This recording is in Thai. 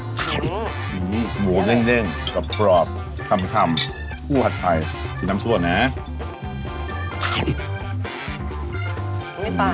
อื้มหื้มหมูเบี้ยงกับครอบคล่ำอู้ผัดไทยชิ้นน้ำสวดนะฮะ